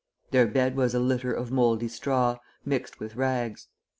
Their bed was a litter of mouldy straw, mixed with rags.